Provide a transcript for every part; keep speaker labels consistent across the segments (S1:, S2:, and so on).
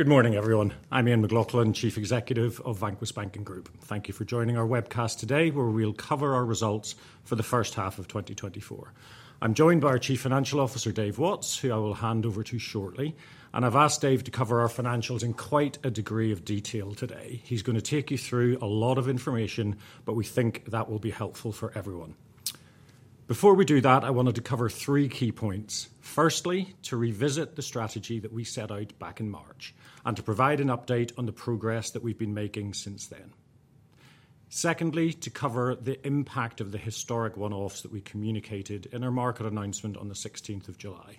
S1: Good morning, everyone. I'm Ian McLaughlin, Chief Executive of Vanquis Banking Group. Thank you for joining our webcast today, where we'll cover our results for the first half of 2024. I'm joined by our Chief Financial Officer, Dave Watts, who I will hand over to shortly, and I've asked Dave to cover our financials in quite a degree of detail today. He's going to take you through a lot of information, but we think that will be helpful for everyone. Before we do that, I wanted to cover three key points. Firstly, to revisit the strategy that we set out back in March, and to provide an update on the progress that we've been making since then. Secondly, to cover the impact of the historic one-offs that we communicated in our market announcement on the sixteenth of July.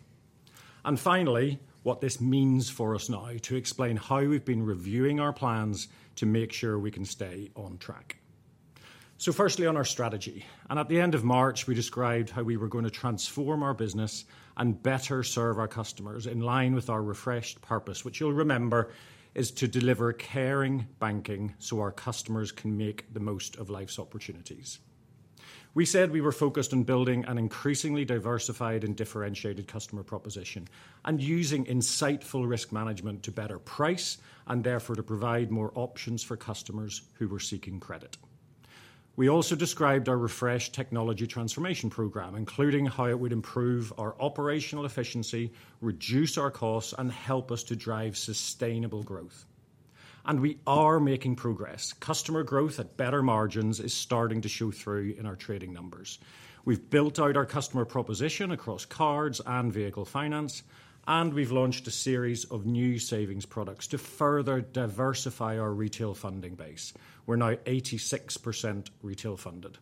S1: Finally, what this means for us now, to explain how we've been reviewing our plans to make sure we can stay on track. So firstly, on our strategy, and at the end of March, we described how we were going to transform our business and better serve our customers in line with our refreshed purpose, which you'll remember is to deliver caring banking so our customers can make the most of life's opportunities. We said we were focused on building an increasingly diversified and differentiated customer proposition and using insightful risk management to better price and therefore to provide more options for customers who were seeking credit. We also described our refreshed technology transformation program, including how it would improve our operational efficiency, reduce our costs, and help us to drive sustainable growth. We are making progress. Customer growth at better margins is starting to show through in our trading numbers. We've built out our customer proposition across cards and vehicle finance, and we've launched a series of new savings products to further diversify our retail funding base. We're now 86% retail funded.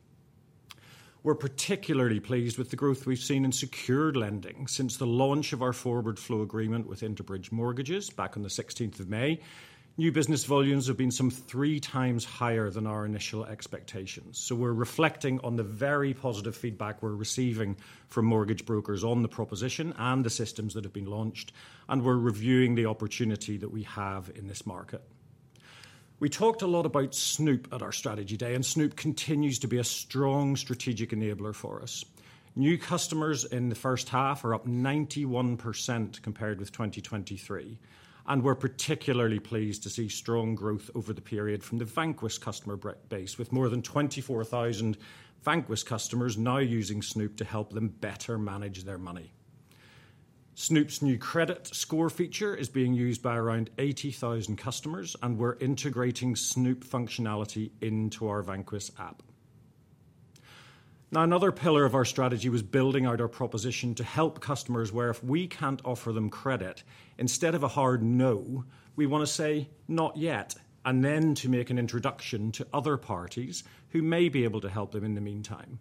S1: We're particularly pleased with the growth we've seen in secured lending since the launch of our forward flow agreement with Interbridge Mortgages back on the sixteenth of May. New business volumes have been some three times higher than our initial expectations, so we're reflecting on the very positive feedback we're receiving from mortgage brokers on the proposition and the systems that have been launched, and we're reviewing the opportunity that we have in this market. We talked a lot about Snoop at our strategy day, and Snoop continues to be a strong strategic enabler for us. New customers in the first half are up 91% compared with 2023, and we're particularly pleased to see strong growth over the period from the Vanquis customer base, with more than 24,000 Vanquis customers now using Snoop to help them better manage their money. Snoop's new credit score feature is being used by around 80,000 customers, and we're integrating Snoop functionality into our Vanquis app. Now, another pillar of our strategy was building out our proposition to help customers where if we can't offer them credit, instead of a hard no, we want to say, "Not yet," and then to make an introduction to other parties who may be able to help them in the meantime.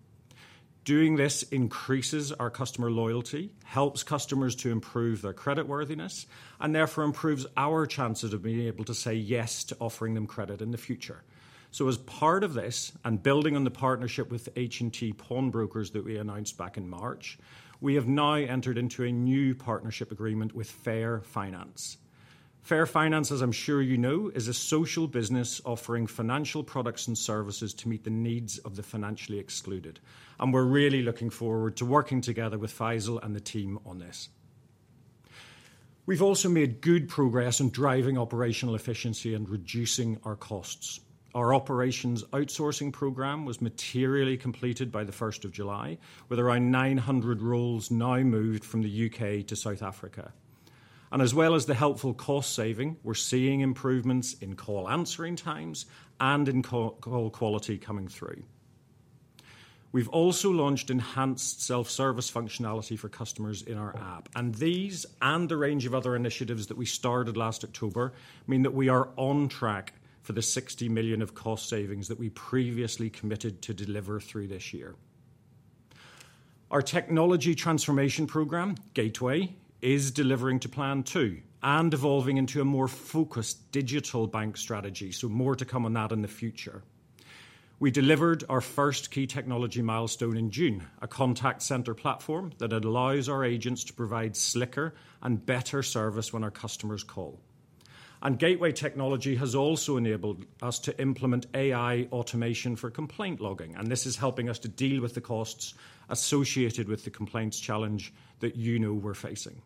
S1: Doing this increases our customer loyalty, helps customers to improve their creditworthiness, and therefore improves our chances of being able to say yes to offering them credit in the future. So as part of this, and building on the partnership with H&T Pawnbrokers that we announced back in March, we have now entered into a new partnership agreement with Fair Finance. Fair Finance, as I'm sure you know, is a social business offering financial products and services to meet the needs of the financially excluded, and we're really looking forward to working together with Faisal and the team on this. We've also made good progress in driving operational efficiency and reducing our costs. Our operations outsourcing program was materially completed by the first of July, with around 900 roles now moved from the U.K. to South Africa. And as well as the helpful cost saving, we're seeing improvements in call answering times and in call quality coming through. We've also launched enhanced self-service functionality for customers in our app, and these and the range of other initiatives that we started last October mean that we are on track for the 60 million of cost savings that we previously committed to deliver through this year. Our technology transformation program, Gateway, is delivering to plan two and evolving into a more focused digital bank strategy, so more to come on that in the future. We delivered our first key technology milestone in June, a contact center platform that allows our agents to provide slicker and better service when our customers call. Gateway Technology has also enabled us to implement AI automation for complaint logging, and this is helping us to deal with the costs associated with the complaints challenge that you know we're facing.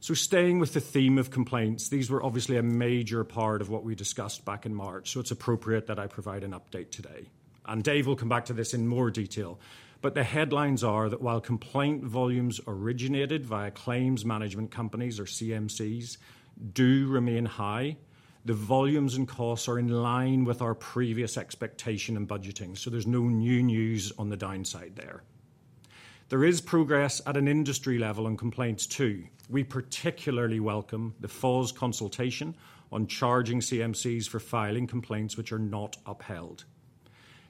S1: So staying with the theme of complaints, these were obviously a major part of what we discussed back in March, so it's appropriate that I provide an update today, and Dave will come back to this in more detail. But the headlines are that while complaint volumes originated via claims management companies or CMCs do remain high, the volumes and costs are in line with our previous expectation and budgeting, so there's no new news on the downside there. There is progress at an industry level on complaints, too. We particularly welcome the FOS consultation on charging CMCs for filing complaints which are not upheld.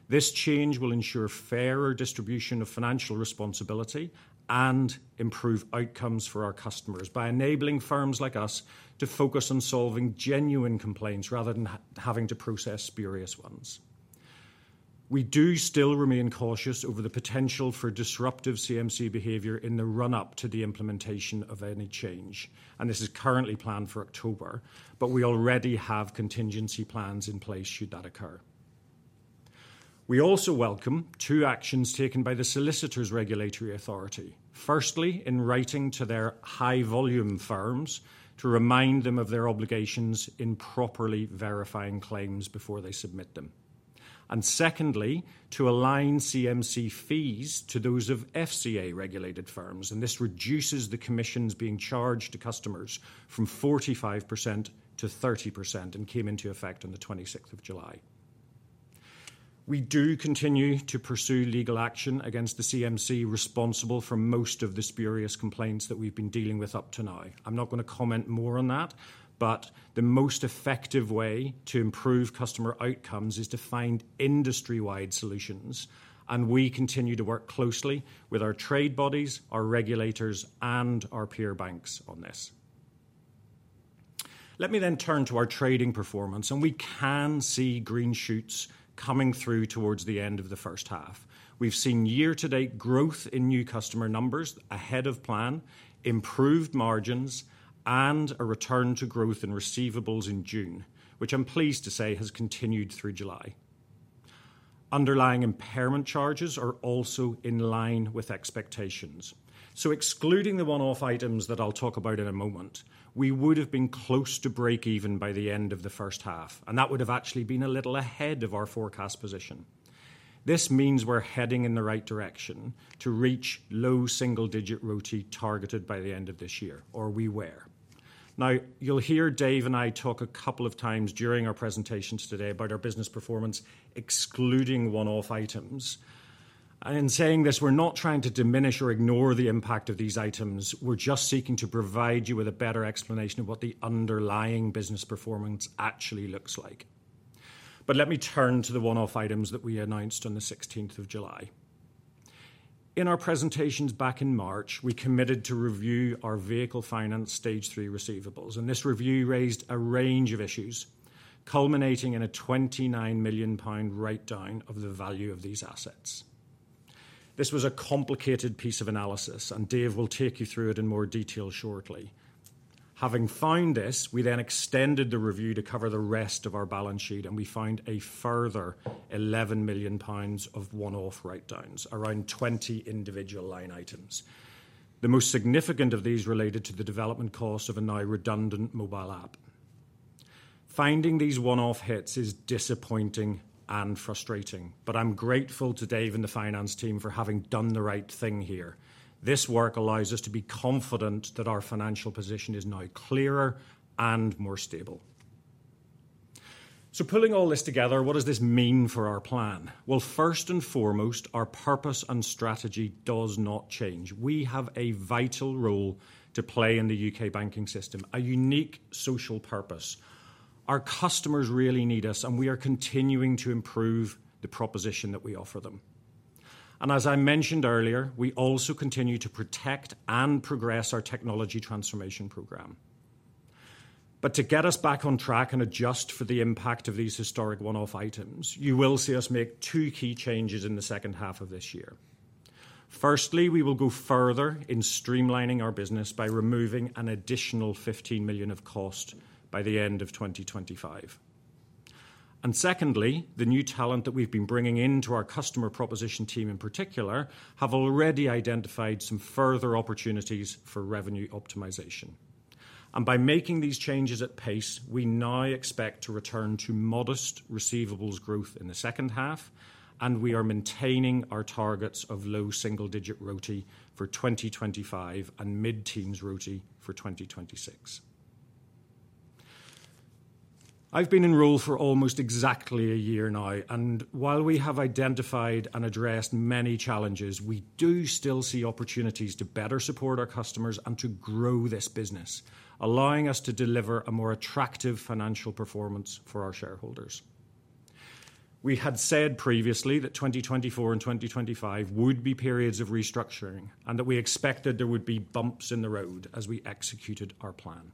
S1: This change will ensure fairer distribution of financial responsibility and improve outcomes for our customers by enabling firms like us to focus on solving genuine complaints rather than having to process spurious ones. We do still remain cautious over the potential for disruptive CMC behavior in the run-up to the implementation of any change, and this is currently planned for October, but we already have contingency plans in place should that occur... We also welcome two actions taken by the Solicitors Regulation Authority. Firstly, in writing to their high-volume firms to remind them of their obligations in properly verifying claims before they submit them. And secondly, to align CMC fees to those of FCA-regulated firms, and this reduces the commissions being charged to customers from 45% to 30%, and came into effect on the 26th of July. We do continue to pursue legal action against the CMC responsible for most of the spurious complaints that we've been dealing with up to now. I'm not going to comment more on that, but the most effective way to improve customer outcomes is to find industry-wide solutions, and we continue to work closely with our trade bodies, our regulators, and our peer banks on this. Let me turn to our trading performance, and we can see green shoots coming through towards the end of the first half. We've seen year-to-date growth in new customer numbers ahead of plan, improved margins, and a return to growth in receivables in June, which I'm pleased to say has continued through July. Underlying impairment charges are also in line with expectations. Excluding the one-off items that I'll talk about in a moment, we would have been close to breakeven by the end of the first half, and that would have actually been a little ahead of our forecast position. This means we're heading in the right direction to reach low single-digit ROTE targeted by the end of this year, or we were. Now, you'll hear Dave and I talk a couple of times during our presentations today about our business performance, excluding one-off items. In saying this, we're not trying to diminish or ignore the impact of these items. We're just seeking to provide you with a better explanation of what the underlying business performance actually looks like. Let me turn to the one-off items that we announced on the 16th of July. In our presentations back in March, we committed to review our Vehicle Finance Stage 3 receivables, and this review raised a range of issues, culminating in a 29 million pound write-down of the value of these assets. This was a complicated piece of analysis, and Dave will take you through it in more detail shortly. Having found this, we then extended the review to cover the rest of our balance sheet, and we found a further 11 million pounds of one-off write-downs, around 20 individual line items. The most significant of these related to the development cost of a now redundant mobile app. Finding these one-off hits is disappointing and frustrating, but I'm grateful to Dave and the finance team for having done the right thing here. This work allows us to be confident that our financial position is now clearer and more stable. So pulling all this together, what does this mean for our plan? Well, first and foremost, our purpose and strategy does not change. We have a vital role to play in the UK banking system, a unique social purpose. Our customers really need us, and we are continuing to improve the proposition that we offer them. And as I mentioned earlier, we also continue to protect and progress our technology transformation program. But to get us back on track and adjust for the impact of these historic one-off items, you will see us make two key changes in the second half of this year. Firstly, we will go further in streamlining our business by removing an additional 15 million of cost by the end of 2025. Secondly, the new talent that we've been bringing into our customer proposition team, in particular, have already identified some further opportunities for revenue optimization. By making these changes at pace, we now expect to return to modest receivables growth in the second half, and we are maintaining our targets of low single-digit ROTE for 2025 and mid-teens ROTE for 2026. I've been in role for almost exactly a year now, and while we have identified and addressed many challenges, we do still see opportunities to better support our customers and to grow this business, allowing us to deliver a more attractive financial performance for our shareholders. We had said previously that 2024 and 2025 would be periods of restructuring, and that we expected there would be bumps in the road as we executed our plan.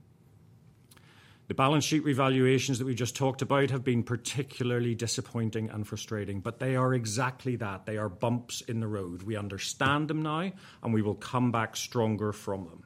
S1: The balance sheet revaluations that we just talked about have been particularly disappointing and frustrating, but they are exactly that. They are bumps in the road. We understand them now, and we will come back stronger from them.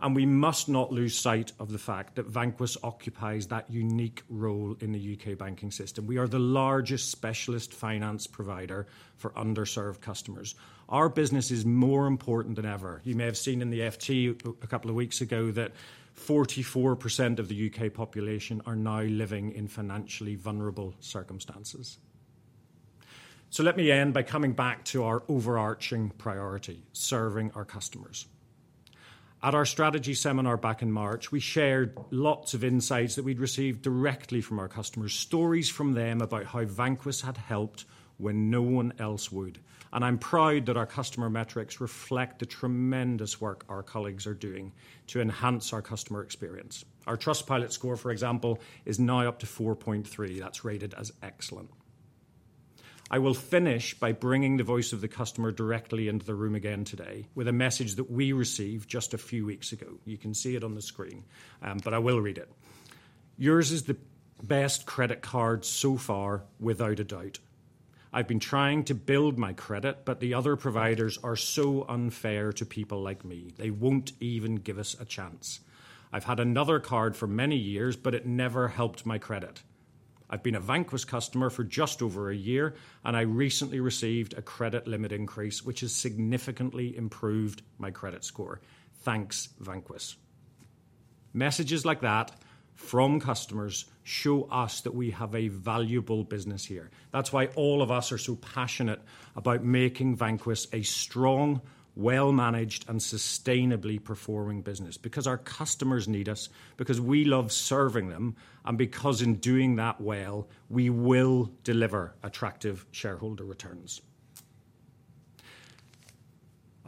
S1: And we must not lose sight of the fact that Vanquis occupies that unique role in the U.K. banking system. We are the largest specialist finance provider for underserved customers. Our business is more important than ever. You may have seen in the FT a couple of weeks ago that 44% of the U.K. population are now living in financially vulnerable circumstances. So let me end by coming back to our overarching priority: serving our customers. At our strategy seminar back in March, we shared lots of insights that we'd received directly from our customers, stories from them about how Vanquis had helped when no one else would. I'm proud that our customer metrics reflect the tremendous work our colleagues are doing to enhance our customer experience. Our Trustpilot score, for example, is now up to 4.3. That's rated as excellent. I will finish by bringing the voice of the customer directly into the room again today with a message that we received just a few weeks ago. You can see it on the screen, but I will read it. "Yours is the best credit card so far, without a doubt. I've been trying to build my credit, but the other providers are so unfair to people like me. They won't even give us a chance. I've had another card for many years, but it never helped my credit.... I've been a Vanquis customer for just over a year, and I recently received a credit limit increase, which has significantly improved my credit score. Thanks, Vanquis! Messages like that from customers show us that we have a valuable business here. That's why all of us are so passionate about making Vanquis a strong, well-managed, and sustainably performing business. Because our customers need us, because we love serving them, and because in doing that well, we will deliver attractive shareholder returns.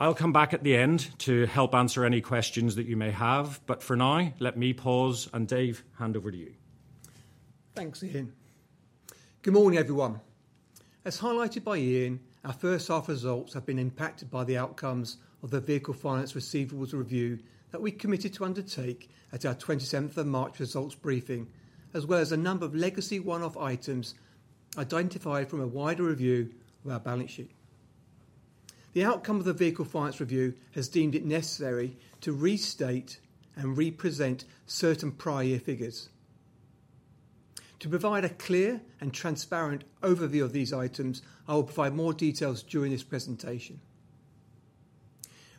S1: I'll come back at the end to help answer any questions that you may have, but for now, let me pause, and Dave, hand over to you.
S2: Thanks, Ian. Good morning, everyone. As highlighted by Ian, our first half results have been impacted by the outcomes of the Vehicle Finance Receivables review that we committed to undertake at our 27th of March results briefing, as well as a number of legacy one-off items identified from a wider review of our balance sheet. The outcome of the Vehicle Finance Review has deemed it necessary to restate and represent certain prior year figures. To provide a clear and transparent overview of these items, I will provide more details during this presentation.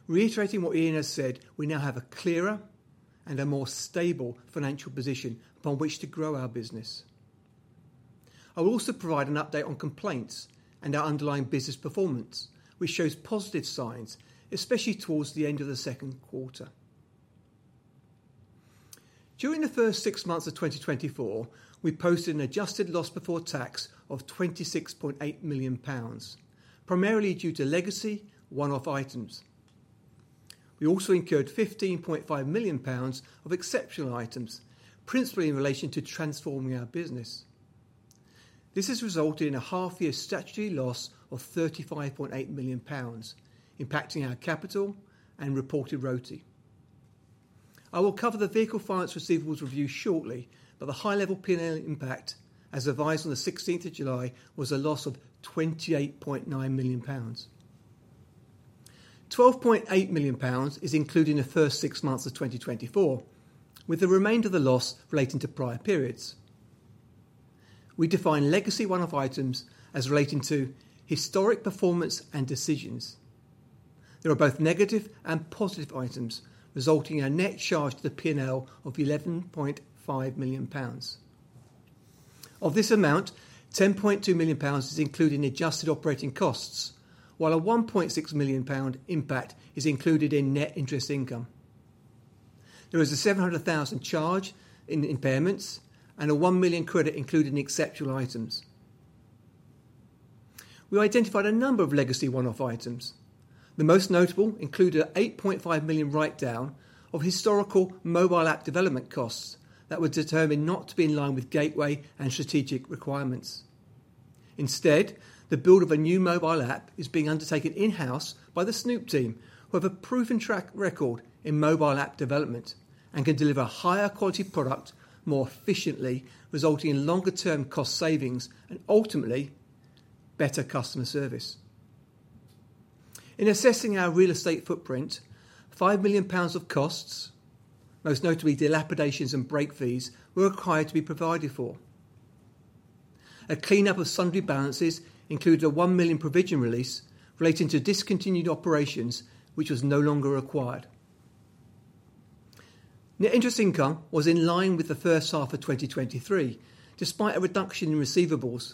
S2: Reiterating what Ian has said, we now have a clearer and a more stable financial position upon which to grow our business. I will also provide an update on complaints and our underlying business performance, which shows positive signs, especially towards the end of the second quarter. During the first six months of 2024, we posted an adjusted loss before tax of 26.8 million pounds, primarily due to legacy one-off items. We also incurred 15.5 million pounds of exceptional items, principally in relation to transforming our business. This has resulted in a half-year statutory loss of 35.8 million pounds, impacting our capital and reported ROTE. I will cover the Vehicle Finance Receivables review shortly, but the high-level P&L impact, as advised on the 16th of July, was a loss of 28.9 million pounds. 12.8 million pounds is included in the first six months of 2024, with the remainder of the loss relating to prior periods. We define legacy one-off items as relating to historic performance and decisions. There are both negative and positive items, resulting in a net charge to the P&L of GBP 11.5 million. Of this amount, GBP 10.2 million is included in the adjusted operating costs, while a GBP 1.6 million impact is included in net interest income. There is a 700,000 charge in impairments and a GBP 1 million credit included in exceptional items. We identified a number of legacy one-off items. The most notable included a 8.5 million write-down of historical mobile app development costs that were determined not to be in line with Gateway and strategic requirements. Instead, the build of a new mobile app is being undertaken in-house by the Snoop team, who have a proven track record in mobile app development and can deliver a higher quality product more efficiently, resulting in longer term cost savings and ultimately, better customer service. In assessing our real estate footprint, 5 million pounds of costs, most notably dilapidations and break fees, were required to be provided for. A cleanup of sundry balances included a 1 million provision release relating to discontinued operations, which was no longer required. Net interest income was in line with the first half of 2023, despite a reduction in receivables,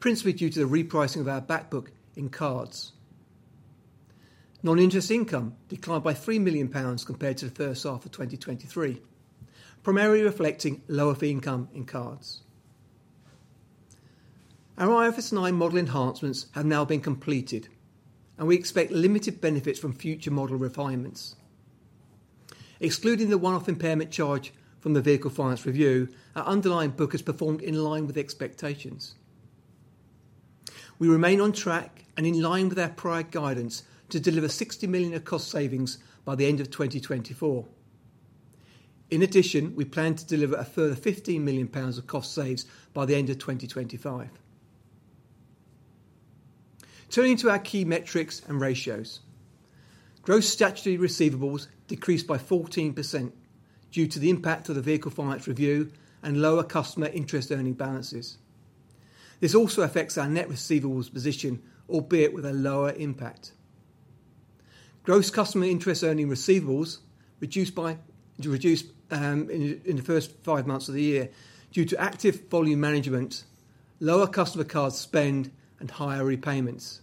S2: principally due to the repricing of our back book in cards. Non-interest income declined by 3 million pounds compared to the first half of 2023, primarily reflecting lower fee income in cards. Our IFRS 9 model enhancements have now been completed, and we expect limited benefits from future model refinements. Excluding the one-off impairment charge from the Vehicle Finance Review, our underlying book has performed in line with expectations. We remain on track and in line with our prior guidance to deliver 60 million of cost savings by the end of 2024. In addition, we plan to deliver a further 15 million pounds of cost saves by the end of 2025. Turning to our key metrics and ratios. Gross statutory receivables decreased by 14% due to the impact of the Vehicle Finance Review and lower customer interest earning balances. This also affects our net receivables position, albeit with a lower impact. Gross customer interest earning receivables reduced in the first five months of the year due to active volume management, lower customer card spend, and higher repayments.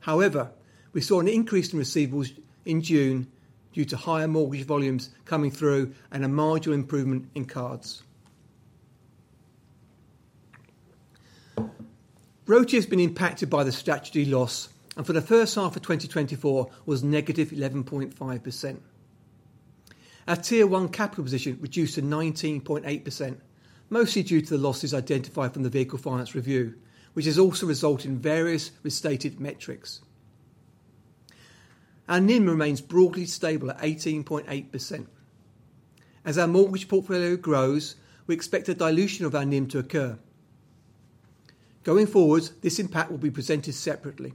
S2: However, we saw an increase in receivables in June due to higher mortgage volumes coming through and a marginal improvement in cards. ROTE has been impacted by the statutory loss, and for the first half of 2024, was negative 11.5%. Our Tier 1 capital position reduced to 19.8%, mostly due to the losses identified from the Vehicle Finance Review, which has also resulted in various restated metrics. Our NIM remains broadly stable at 18.8%. As our mortgage portfolio grows, we expect a dilution of our NIM to occur. Going forward, this impact will be presented separately.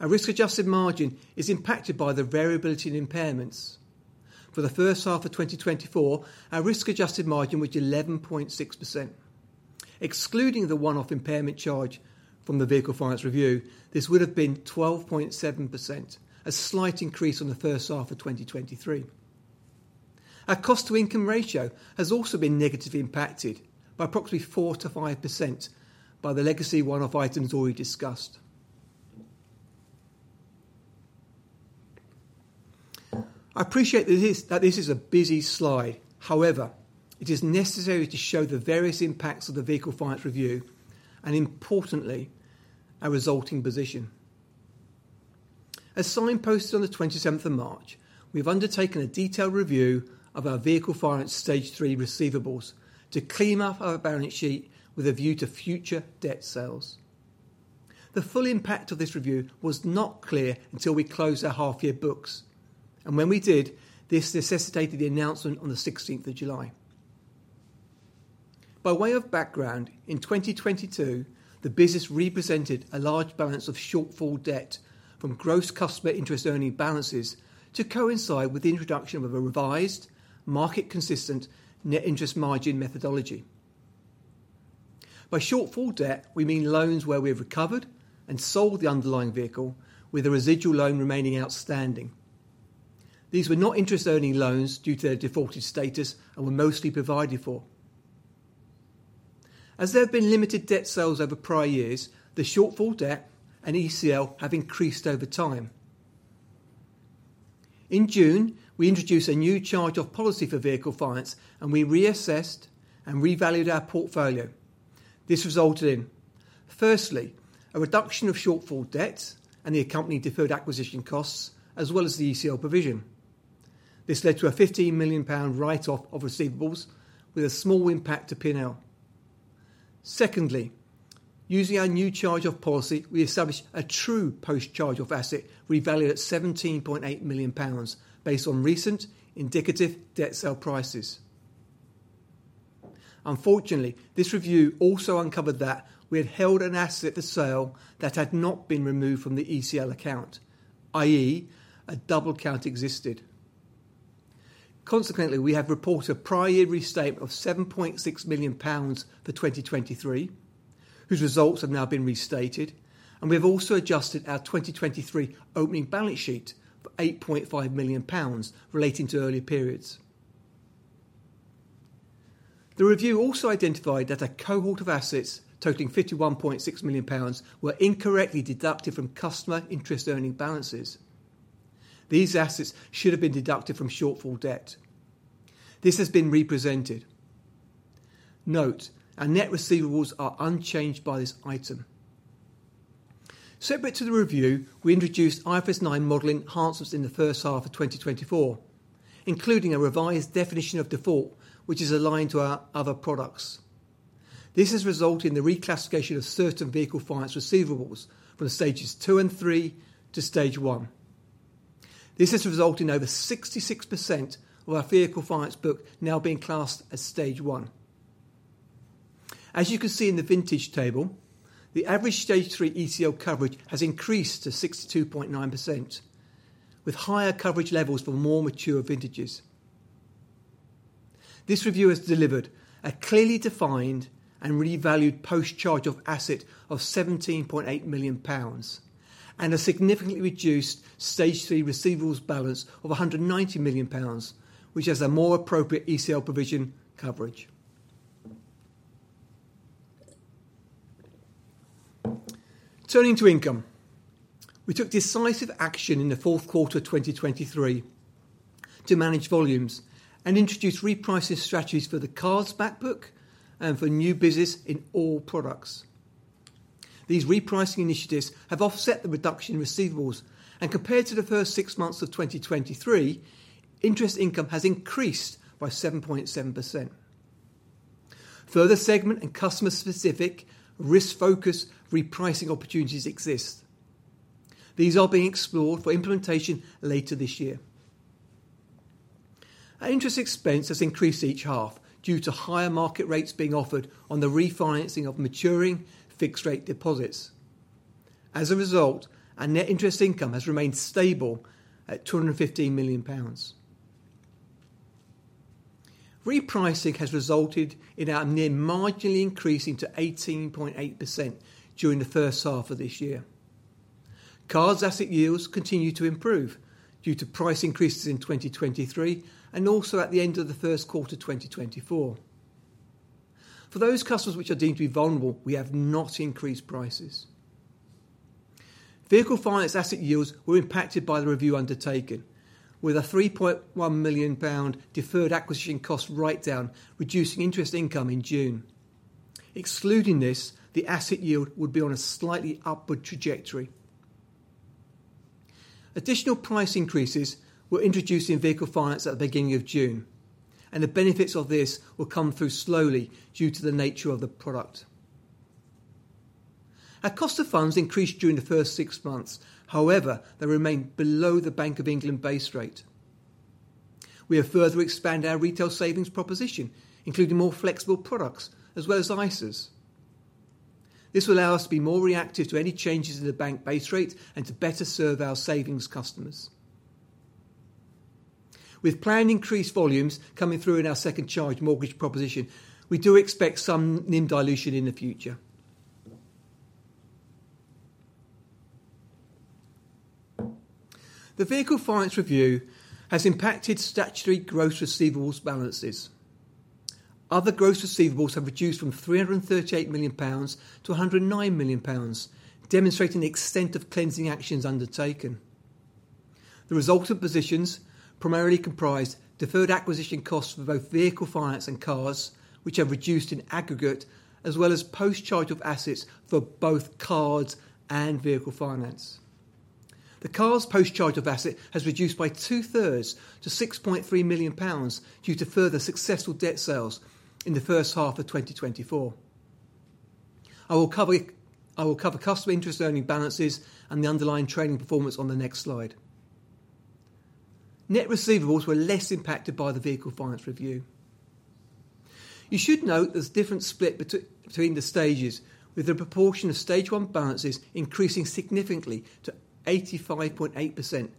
S2: Our risk-adjusted margin is impacted by the variability in impairments. For the first half of 2024, our risk-adjusted margin was 11.6%. Excluding the one-off impairment charge from the vehicle finance review, this would have been 12.7%, a slight increase on the first half of 2023. Our cost-to-income ratio has also been negatively impacted by approximately 4%-5% by the legacy one-off items already discussed. I appreciate this is, that this is a busy slide. However, it is necessary to show the various impacts of the vehicle finance review and importantly, our resulting position. As signposted on the 27th of March, we've undertaken a detailed review of our vehicle finance Stage 3 receivables to clean up our balance sheet with a view to future debt sales. The full impact of this review was not clear until we closed our half-year books, and when we did, this necessitated the announcement on the 16th of July. By way of background, in 2022, the business represented a large balance of shortfall debt from gross customer interest-earning balances to coincide with the introduction of a revised market-consistent net interest margin methodology. By shortfall debt, we mean loans where we have recovered and sold the underlying vehicle with a residual loan remaining outstanding. These were not interest-earning loans due to their defaulted status and were mostly provided for. As there have been limited debt sales over prior years, the shortfall debt and ECL have increased over time. In June, we introduced a new charge-off policy for vehicle finance, and we reassessed and revalued our portfolio. This resulted in, firstly, a reduction of shortfall debts and the accompanying deferred acquisition costs, as well as the ECL provision. This led to a 15 million pound write-off of receivables with a small impact to P&L. Secondly, using our new charge-off policy, we established a true post-charge-off asset revalued at 17.8 million pounds, based on recent indicative debt sale prices. Unfortunately, this review also uncovered that we had held an asset for sale that had not been removed from the ECL account, i.e., a double count existed. Consequently, we have reported a prior year restatement of 7.6 million pounds for 2023, whose results have now been restated, and we have also adjusted our 2023 opening balance sheet for 8.5 million pounds relating to earlier periods. The review also identified that a cohort of assets totaling 51.6 million pounds were incorrectly deducted from customer interest-earning balances. These assets should have been deducted from shortfall debt. This has been represented. Note, our net receivables are unchanged by this item. Separate to the review, we introduced IFRS 9 modeling enhancements in the first half of 2024, including a revised definition of default, which is aligned to our other products. This has resulted in the reclassification of certain vehicle finance receivables from Stage 2 and Stage 3 to Stage 1. This has resulted in over 66% of our vehicle finance book now being classed as Stage 1. As you can see in the vintage table, the average Stage 3 ECL coverage has increased to 62.9%, with higher coverage levels for more mature vintages. This review has delivered a clearly defined and revalued post-charge-off asset of 17.8 million pounds and a significantly reduced Stage 3 receivables balance of 190 million pounds, which has a more appropriate ECL provision coverage. Turning to income, we took decisive action in the fourth quarter of 2023 to manage volumes and introduce repricing strategies for the cards back book and for new business in all products. These repricing initiatives have offset the reduction in receivables, and compared to the first six months of 2023, interest income has increased by 7.7%. Further segment and customer-specific risk-focused repricing opportunities exist. These are being explored for implementation later this year. Our interest expense has increased each half due to higher market rates being offered on the refinancing of maturing fixed-rate deposits. As a result, our net interest income has remained stable at 215 million pounds. Repricing has resulted in our NIM marginally increasing to 18.8% during the first half of this year. Cards asset yields continue to improve due to price increases in 2023 and also at the end of the first quarter of 2024. For those customers which are deemed to be vulnerable, we have not increased prices. Vehicle finance asset yields were impacted by the review undertaken, with a 3.1 million pound deferred acquisition cost write-down, reducing interest income in June. Excluding this, the asset yield would be on a slightly upward trajectory. Additional price increases were introduced in vehicle finance at the beginning of June, and the benefits of this will come through slowly due to the nature of the product. Our cost of funds increased during the first six months. However, they remained below the Bank of England base rate. We have further expanded our retail savings proposition, including more flexible products, as well as ISAs. This will allow us to be more reactive to any changes in the bank base rate and to better serve our savings customers. With planned increased volumes coming through in our second charge mortgage proposition, we do expect some NIM dilution in the future. The Vehicle Finance Review has impacted statutory gross receivables balances. Other gross receivables have reduced from 338 million pounds to 109 million pounds, demonstrating the extent of cleansing actions undertaken. The residual positions primarily comprised deferred acquisition costs for both vehicle finance and cards, which have reduced in aggregate, as well as post-charge-off assets for both cards and vehicle finance. The cards' post-charge-off asset has reduced by two-thirds to 6.3 million pounds, due to further successful debt sales in the first half of 2024. I will cover, I will cover customer interest-earning balances and the underlying trading performance on the next slide. Net receivables were less impacted by the Vehicle Finance Review. You should note there's a different split between the stages, with the proportion of Stage 1 balances increasing significantly to 85.8%,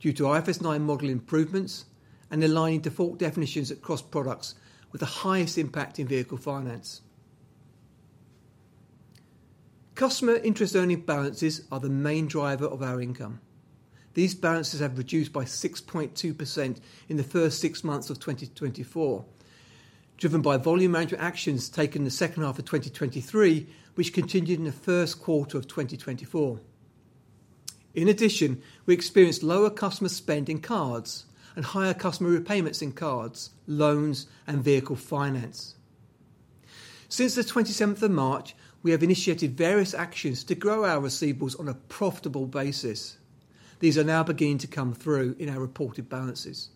S2: due to IFRS 9 model improvements and aligning default definitions across products, with the highest impact in vehicle finance. Customer interest-earning balances are the main driver of our income. These balances have reduced by 6.2% in the first six months of 2024, driven by volume management actions taken in the second half of 2023, which continued in the first quarter of 2024. In addition, we experienced lower customer spend in cards and higher customer repayments in cards, loans, and vehicle finance. Since the 27th of March, we have initiated various actions to grow our receivables on a profitable basis. These are now beginning to come through in our reported balances.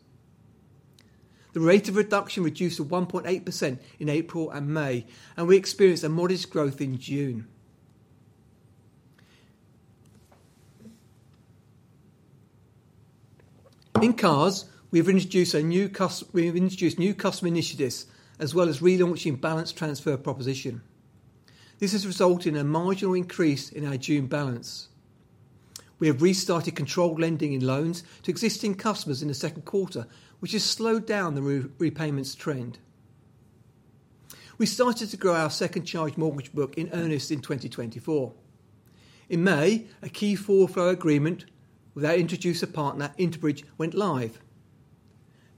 S2: The rate of reduction reduced to 1.8% in April and May, and we experienced a modest growth in June. In cards, we have introduced new customer initiatives, as well as relaunching balance transfer proposition. This has resulted in a marginal increase in our June balance. We have restarted controlled lending in loans to existing customers in the second quarter, which has slowed down the repayments trend. We started to grow our second charge mortgage book in earnest in 2024. In May, a key forward flow agreement with our introducer partner, Interbridge, went live.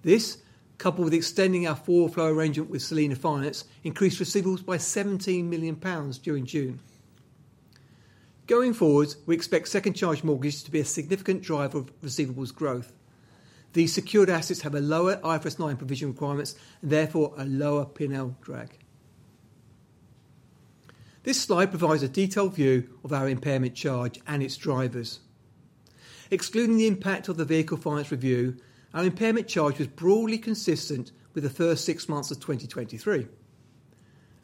S2: This, coupled with extending our forward flow arrangement with Selina Finance, increased receivables by 17 million pounds during June. Going forward, we expect second charge mortgage to be a significant driver of receivables growth. These secured assets have a lower IFRS 9 provision requirements, and therefore a lower P&L drag. This slide provides a detailed view of our impairment charge and its drivers. Excluding the impact of the Vehicle Finance Review, our impairment charge was broadly consistent with the first six months of 2023.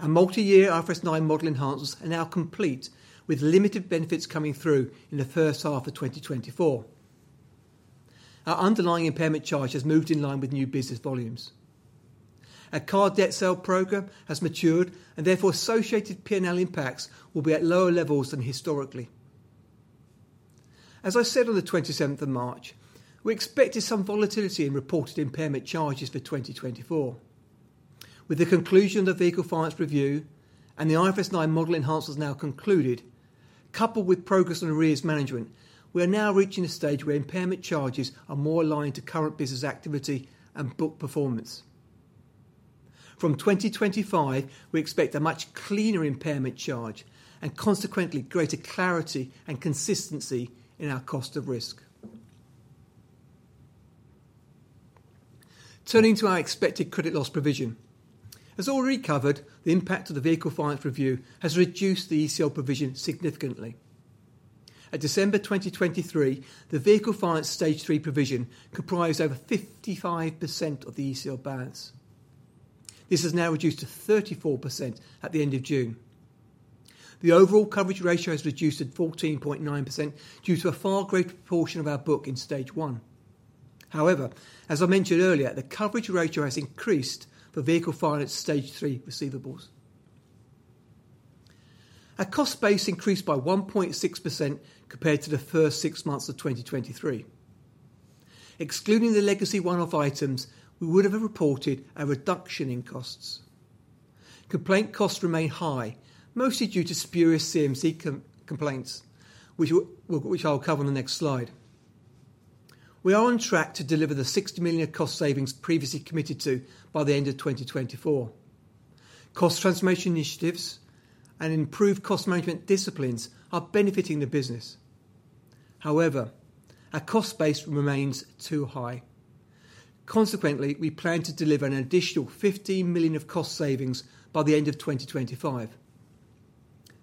S2: Our multi-year IFRS 9 model enhancements are now complete, with limited benefits coming through in the first half of 2024. Our underlying impairment charge has moved in line with new business volumes. Our car debt sale program has matured, and therefore, associated P&L impacts will be at lower levels than historically. As I said on the 27th of March, we expected some volatility in reported impairment charges for 2024. With the conclusion of the Vehicle Finance Review and the IFRS 9 model enhancements now concluded, coupled with progress on arrears management, we are now reaching a stage where impairment charges are more aligned to current business activity and book performance. From 2025, we expect a much cleaner impairment charge and consequently, greater clarity and consistency in our cost of risk. Turning to our expected credit loss provision. As already covered, the impact of the Vehicle Finance Review has reduced the ECL provision significantly. At December 2023, the Vehicle Finance Stage 3 provision comprised over 55% of the ECL balance. This has now reduced to 34% at the end of June. The overall coverage ratio has reduced to 14.9% due to a far greater proportion of our book in Stage 1. However, as I mentioned earlier, the coverage ratio has increased for vehicle finance Stage 3 receivables. Our cost base increased by 1.6% compared to the first six months of 2023. Excluding the legacy one-off items, we would have reported a reduction in costs. Complaint costs remain high, mostly due to spurious CMC complaints, which I'll cover on the next slide. We are on track to deliver the 60 million cost savings previously committed to by the end of 2024. Cost transformation initiatives and improved cost management disciplines are benefiting the business. However, our cost base remains too high. Consequently, we plan to deliver an additional 15 million of cost savings by the end of 2025.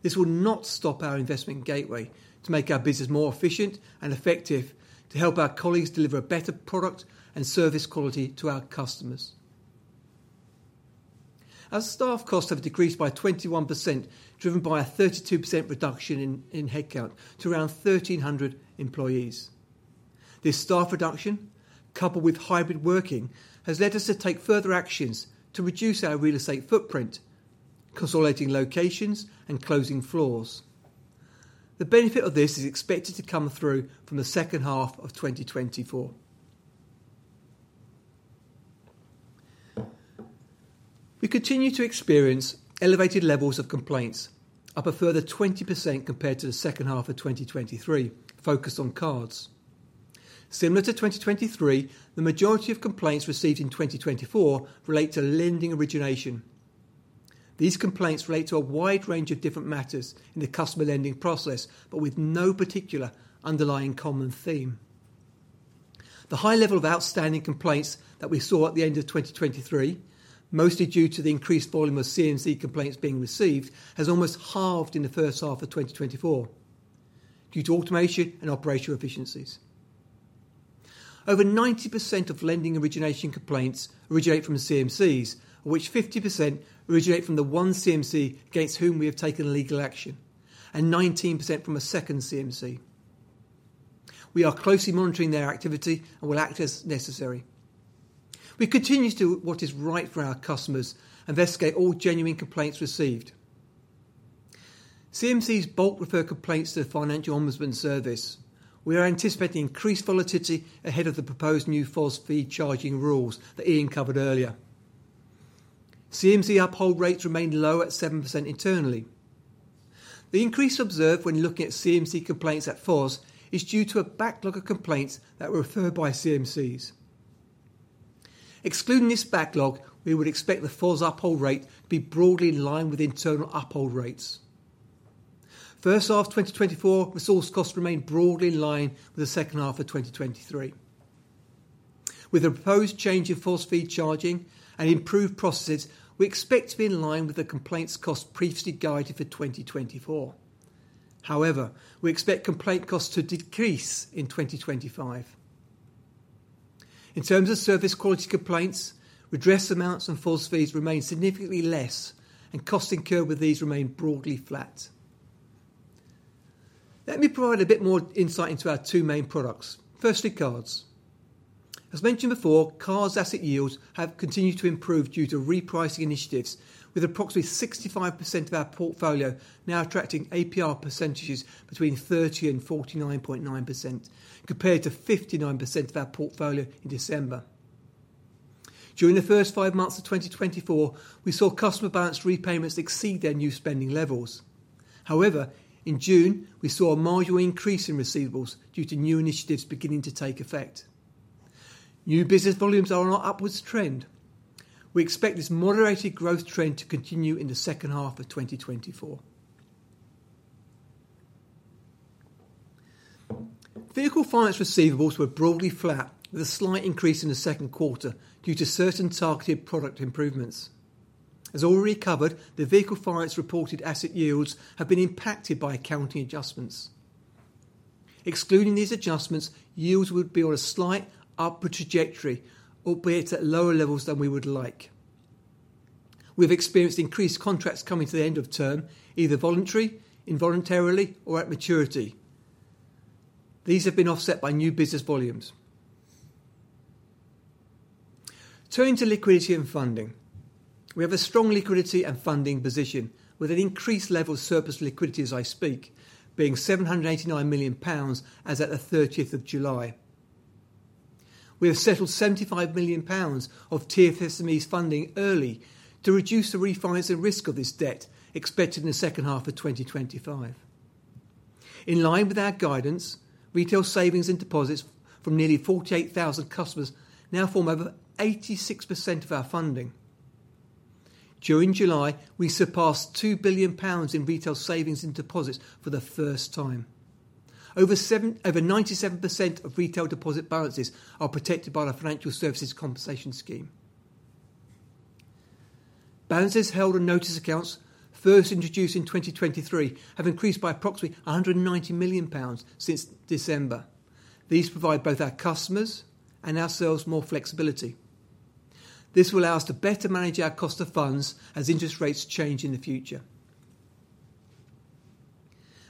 S2: This will not stop our investment in Gateway to make our business more efficient and effective, to help our colleagues deliver a better product and service quality to our customers. Our staff costs have decreased by 21%, driven by a 32% reduction in headcount to around 1,300 employees. This staff reduction, coupled with hybrid working, has led us to take further actions to reduce our real estate footprint, consolidating locations and closing floors. The benefit of this is expected to come through from the second half of 2024. We continue to experience elevated levels of complaints, up a further 20% compared to the second half of 2023, focused on cards. Similar to 2023, the majority of complaints received in 2024 relate to lending origination. These complaints relate to a wide range of different matters in the customer lending process, but with no particular underlying common theme. The high level of outstanding complaints that we saw at the end of 2023, mostly due to the increased volume of CMC complaints being received, has almost halved in the first half of 2024 due to automation and operational efficiencies. Over 90% of lending origination complaints originate from CMCs, of which 50% originate from the one CMC against whom we have taken legal action, and 19% from a second CMC. We are closely monitoring their activity and will act as necessary. We continue to do what is right for our customers, investigate all genuine complaints received. CMCs bulk refer complaints to the Financial Ombudsman Service. We are anticipating increased volatility ahead of the proposed new FOS fee charging rules that Ian covered earlier. CMC uphold rates remain low at 7% internally. The increase observed when looking at CMC complaints at FOS is due to a backlog of complaints that were referred by CMCs. Excluding this backlog, we would expect the FOS uphold rate to be broadly in line with internal uphold rates. First half of 2024, resource costs remained broadly in line with the second half of 2023. With the proposed change in FOS fee charging and improved processes, we expect to be in line with the complaints cost previously guided for 2024. However, we expect complaint costs to decrease in 2025. In terms of service quality complaints, redress amounts and FOS fees remain significantly less, and costs incurred with these remain broadly flat. Let me provide a bit more insight into our two main products. Firstly, cards. As mentioned before, cards asset yields have continued to improve due to repricing initiatives, with approximately 65% of our portfolio now attracting APR percentages between 30%-49.9%, compared to 59% of our portfolio in December. During the first 5 months of 2024, we saw customer balance repayments exceed their new spending levels. However, in June, we saw a marginal increase in receivables due to new initiatives beginning to take effect. New business volumes are on an upwards trend. We expect this moderated growth trend to continue in the second half of 2024. Vehicle finance receivables were broadly flat, with a slight increase in the second quarter due to certain targeted product improvements. As already covered, the vehicle finance reported asset yields have been impacted by accounting adjustments. Excluding these adjustments, yields would be on a slight upward trajectory, albeit at lower levels than we would like. We've experienced increased contracts coming to the end of term, either voluntary, involuntarily, or at maturity. These have been offset by new business volumes. Turning to liquidity and funding. We have a strong liquidity and funding position, with an increased level of surplus liquidity as I speak, being 789 million pounds as at the thirtieth of July. We have settled 75 million pounds of TFSME funding early to reduce the refinancing risk of this debt expected in the second half of 2025. In line with our guidance, retail savings and deposits from nearly 48,000 customers now form over 86% of our funding. During July, we surpassed 2 billion pounds in retail savings and deposits for the first time. Over 97% of retail deposit balances are protected by the Financial Services Compensation Scheme. Balances held on notice accounts first introduced in 2023 have increased by approximately 190 million pounds since December. These provide both our customers and ourselves more flexibility. This will allow us to better manage our cost of funds as interest rates change in the future.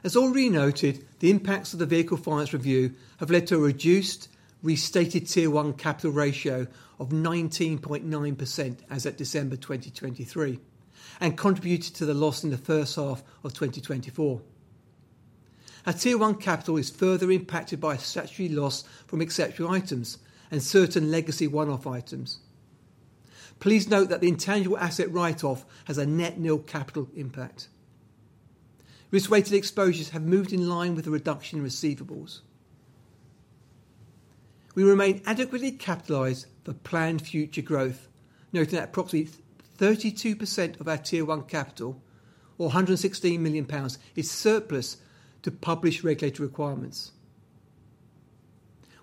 S2: As already noted, the impacts of the vehicle finance review have led to a reduced restated Tier 1 capital ratio of 19.9% as at December 2023, and contributed to the loss in the first half of 2024. Our Tier 1 capital is further impacted by a statutory loss from exceptional items and certain legacy one-off items. Please note that the intangible asset write-off has a net nil capital impact. Risk-weighted exposures have moved in line with the reduction in receivables. We remain adequately capitalized for planned future growth, noting that approximately 32% of our Tier 1 capital, or 116 million pounds, is surplus to published regulatory requirements.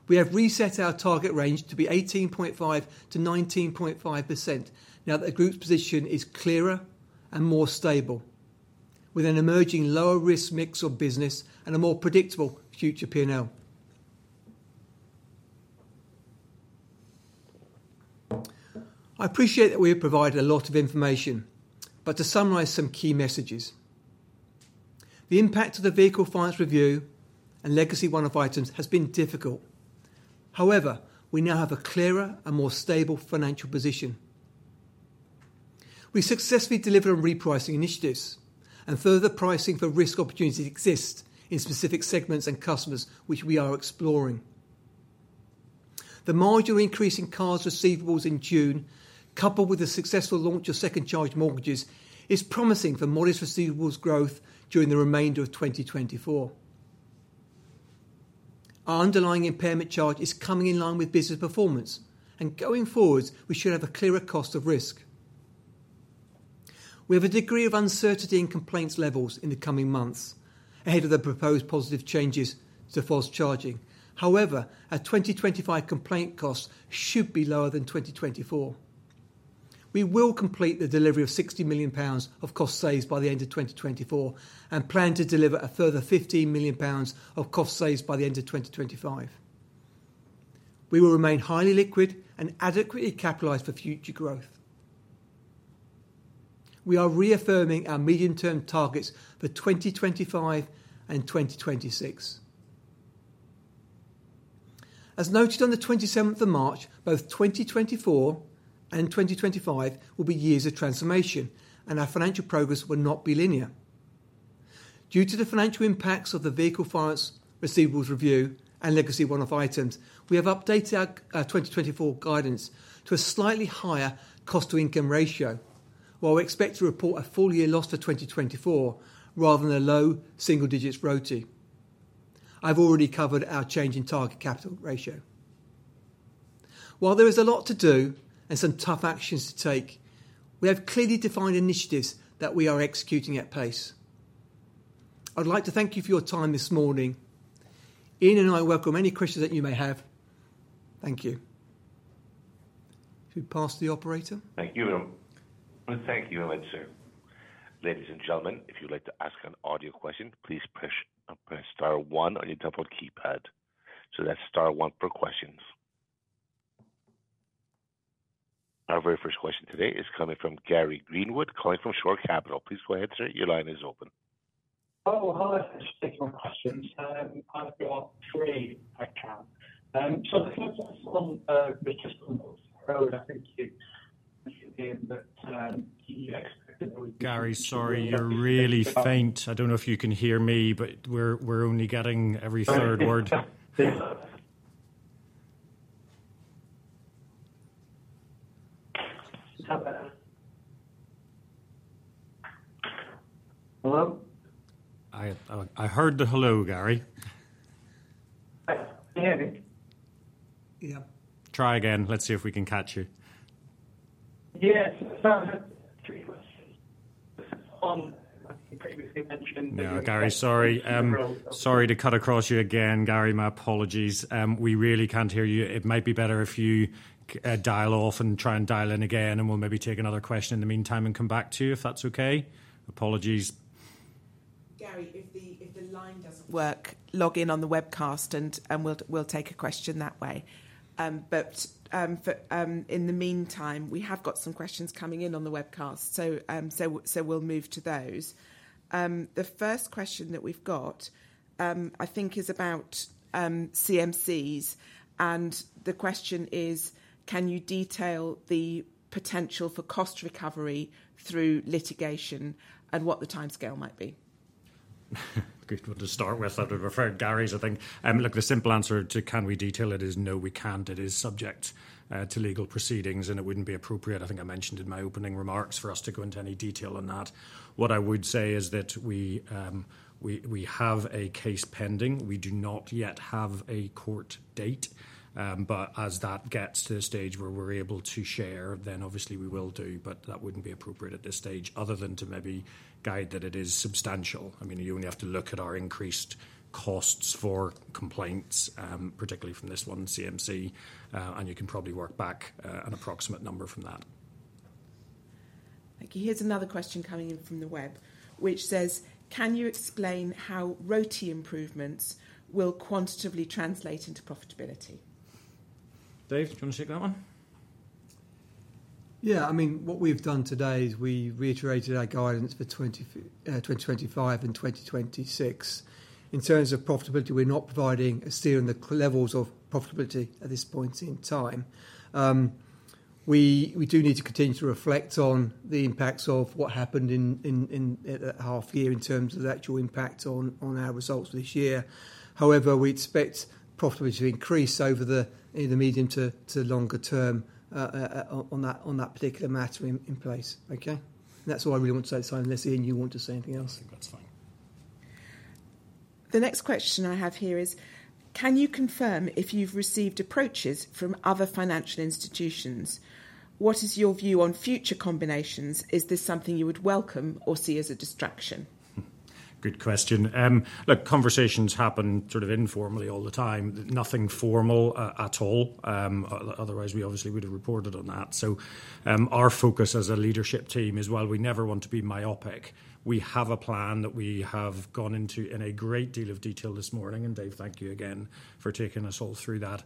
S2: We have reset our target range to be 18.5%-19.5%, now that the group's position is clearer and more stable, with an emerging lower risk mix of business and a more predictable future P&L. I appreciate that we have provided a lot of information, but to summarize some key messages: the impact of the vehicle finance review and legacy one-off items has been difficult. However, we now have a clearer and more stable financial position. We've successfully delivered on repricing initiatives, and further pricing for risk opportunities exist in specific segments and customers, which we are exploring. The marginal increase in card receivables in June, coupled with the successful launch of second charge mortgages, is promising for modest receivables growth during the remainder of 2024. Our underlying impairment charge is coming in line with business performance, and going forward, we should have a clearer cost of risk. We have a degree of uncertainty in complaints levels in the coming months, ahead of the proposed positive changes to FOS charging. However, our 2025 complaint costs should be lower than 2024. We will complete the delivery of 60 million pounds of cost saves by the end of 2024 and plan to deliver a further 15 million pounds of cost saves by the end of 2025. We will remain highly liquid and adequately capitalized for future growth. We are reaffirming our medium-term targets for 2025 and 2026. As noted on the 27th of March, both 2024 and 2025 will be years of transformation, and our financial progress will not be linear. Due to the financial impacts of the vehicle finance receivables review and legacy one-off items, we have updated our 2024 guidance to a slightly higher cost-to-income ratio, while we expect to report a full-year loss for 2024, rather than a low single digits ROTE. I've already covered our change in target capital ratio. While there is a lot to do and some tough actions to take, we have clearly defined initiatives that we are executing at pace. I'd like to thank you for your time this morning. Ian and I welcome any questions that you may have. Thank you. If we pass to the operator.
S3: Thank you. Thank you, sir. Ladies and gentlemen, if you'd like to ask an audio question, please press *one on your telephone keypad. So that's *one for questions. Our very first question today is coming from Gary Greenwood, calling from Shore Capital. Please go ahead, sir. Your line is open.
S4: Oh, hi, thanks for taking my questions. I've got three, if I can. So the first one, which is on the road, I think you, Ian, that you expected-
S1: Gary, sorry, you're really faint. I don't know if you can hear me, but we're only getting every third word.
S4: Sorry. Is that better? Hello?
S1: I, I heard the hello, Gary.
S4: Hi. Can you hear me?
S2: Yeah.
S1: Try again. Let's see if we can catch you.
S4: Yes. I have three questions. This is on, as you previously mentioned-
S1: No, Gary, sorry. Sorry to cut across you again, Gary. My apologies. We really can't hear you. It might be better if you dial off and try and dial in again, and we'll maybe take another question in the meantime and come back to you, if that's okay. Apologies.
S5: Gary, if the line doesn't work, log in on the webcast and we'll take a question that way. But, in the meantime, we have got some questions coming in on the webcast, so we'll move to those. The first question that we've got, I think is about CMCs, and the question is: Can you detail the potential for cost recovery through litigation and what the timescale might be?
S1: Good one to start with, after we've heard Gary's, I think. Look, the simple answer to can we detail it is, no, we can't. It is subject to legal proceedings, and it wouldn't be appropriate, I think I mentioned in my opening remarks, for us to go into any detail on that. What I would say is that we have a case pending. We do not yet have a court date, but as that gets to the stage where we're able to share, then obviously we will do, but that wouldn't be appropriate at this stage, other than to maybe guide that it is substantial. I mean, you only have to look at our increased costs for complaints, particularly from this one CMC, and you can probably work back an approximate number from that.
S5: Thank you. Here's another question coming in from the web, which says: Can you explain how ROTE improvements will quantitatively translate into profitability?
S1: Dave, do you want to take that one?
S2: Yeah. I mean, what we've done today is we reiterated our guidance for 2025 and 2026. In terms of profitability, we're not providing a steer on the levels of profitability at this point in time. We do need to continue to reflect on the impacts of what happened in at that half year in terms of the actual impact on our results for this year. However, we expect profitability to increase over in the medium to longer term on that particular matter in place. Okay? That's all I really want to say on this, unless, Ian, you want to say anything else.
S1: I think that's fine.
S5: The next question I have here is: Can you confirm if you've received approaches from other financial institutions? What is your view on future combinations? Is this something you would welcome or see as a distraction? ...
S1: Good question. Look, conversations happen sort of informally all the time, nothing formal, at all. Otherwise, we obviously would have reported on that. So, our focus as a leadership team is, while we never want to be myopic, we have a plan that we have gone into in a great deal of detail this morning, and Dave, thank you again for taking us all through that.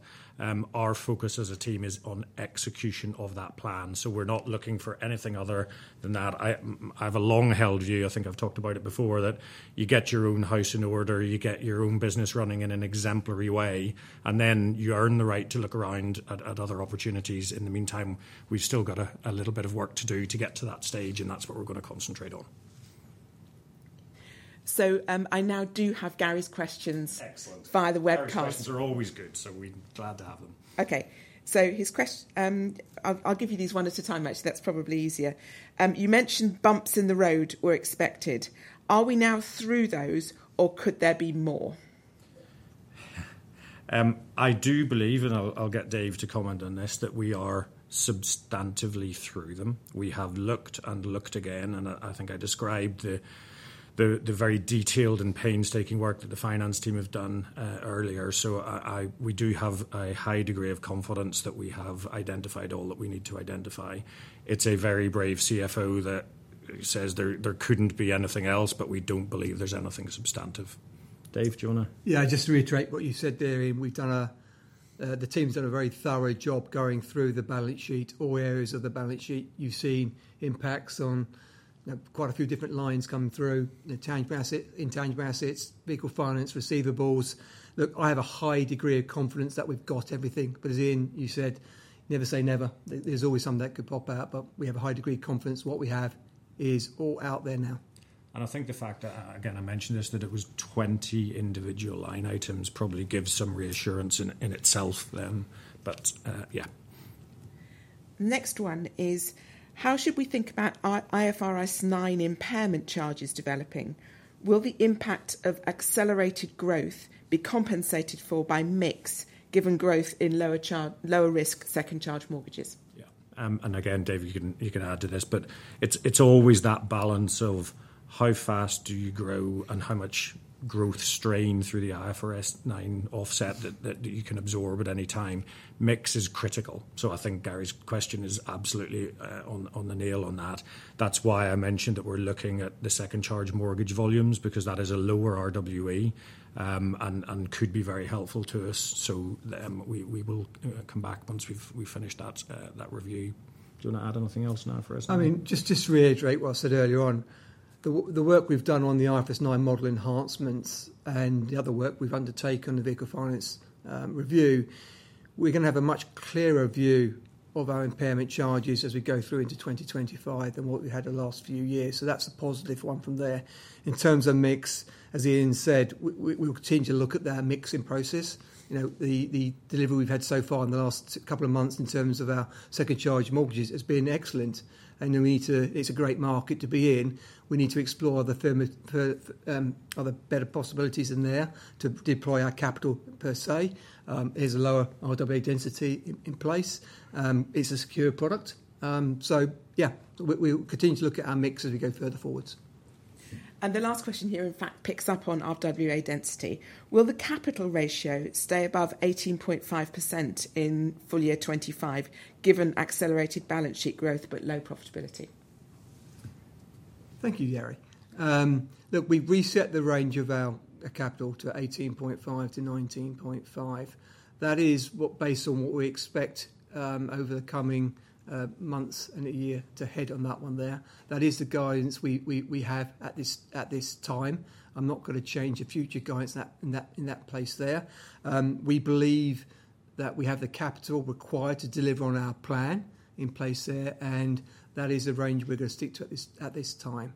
S1: Our focus as a team is on execution of that plan, so we're not looking for anything other than that. I have a long-held view, I think I've talked about it before, that you get your own house in order, you get your own business running in an exemplary way, and then you earn the right to look around at, at other opportunities. In the meantime, we've still got a little bit of work to do to get to that stage, and that's what we're going to concentrate on.
S5: I now do have Gary's questions-
S1: Excellent...
S5: via the webcast.
S1: Gary's questions are always good, so we're glad to have them.
S5: Okay. So his question, I'll give you these one at a time, actually. That's probably easier. You mentioned bumps in the road were expected. Are we now through those, or could there be more?
S1: I do believe, and I'll get Dave to comment on this, that we are substantively through them. We have looked and looked again, and I think I described the very detailed and painstaking work that the finance team have done earlier. So we do have a high degree of confidence that we have identified all that we need to identify. It's a very brave CFO that says there couldn't be anything else, but we don't believe there's anything substantive. Dave, do you want to...
S2: Yeah, just to reiterate what you said there, Ian, we've done a, the team's done a very thorough job going through the balance sheet, all areas of the balance sheet. You've seen impacts on, you know, quite a few different lines coming through, the tangible asset, intangible assets, vehicle finance, receivables. Look, I have a high degree of confidence that we've got everything, but as Ian said, never say never. There's always something that could pop out, but we have a high degree of confidence. What we have is all out there now.
S1: I think the fact that, again, I mentioned this, that it was 20 individual line items, probably gives some reassurance in itself then. But, yeah.
S5: Next one is, how should we think about IFRS 9 impairment charges developing? Will the impact of accelerated growth be compensated for by mix, given growth in lower risk second charge mortgages?
S1: Yeah. And again, Dave, you can, you can add to this, but it's, it's always that balance of how fast do you grow and how much growth strain through the IFRS 9 offset that, that you can absorb at any time. Mix is critical, so I think Gary's question is absolutely, on, on the nail on that. That's why I mentioned that we're looking at the second charge mortgage volumes, because that is a lower RWE, and, and could be very helpful to us. So, we, we will, come back once we've, we've finished that, that review. Do you want to add anything else now for us?
S2: I mean, just, just to reiterate what I said earlier on, the work we've done on the IFRS 9 model enhancements and the other work we've undertaken, the vehicle finance review, we're going to have a much clearer view of our impairment charges as we go through into 2025 than what we had the last few years. So that's a positive one from there. In terms of mix, as Ian said, we will continue to look at their mixing process. You know, the delivery we've had so far in the last couple of months in terms of our second charge mortgages has been excellent, and we need to... It's a great market to be in. We need to explore the other better possibilities in there to deploy our capital per se. There's a lower RWA density in place. It's a secure product. So yeah, we'll continue to look at our mix as we go further forwards.
S5: And the last question here, in fact, picks up on RWA density. Will the capital ratio stay above 18.5% in full year 2025, given accelerated balance sheet growth but low profitability?
S2: Thank you, Gary. Look, we've reset the range of our capital to 18.5%-19.5%. That is what, based on what we expect over the coming months and a year to head on that one there. That is the guidance we have at this time. I'm not going to change the future guidance in that place there. We believe that we have the capital required to deliver on our plan in place there, and that is a range we're going to stick to at this time.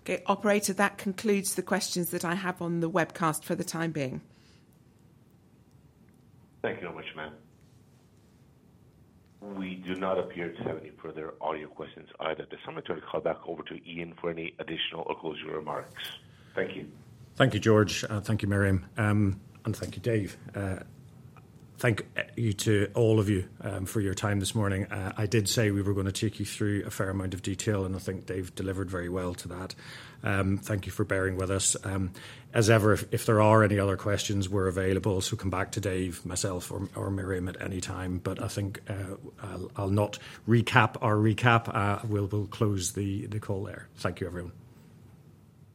S5: Okay, operator, that concludes the questions that I have on the webcast for the time being.
S3: Thank you very much, ma'am. We do not appear to have any further audio questions either, so I'm going to call back over to Ian for any additional or closing remarks. Thank you.
S1: Thank you, George. Thank you, Miriam, and thank you, Dave. Thank you to all of you for your time this morning. I did say we were going to take you through a fair amount of detail, and I think Dave delivered very well to that. Thank you for bearing with us. As ever, if there are any other questions, we're available, so come back to Dave, myself, or Miriam at any time. But I think, I'll not recap our recap. We'll close the call there. Thank you, everyone.